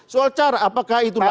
soal cara apakah itu